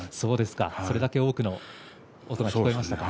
それだけ多くの声が聞こえましたか。